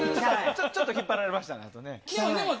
ちょっと引っ張られました。